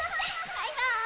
バイバーイ！